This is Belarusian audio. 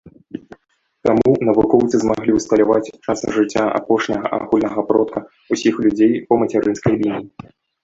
Таму навукоўцы змаглі ўсталяваць час жыцця апошняга агульнага продка ўсіх людзей па мацярынскай лініі.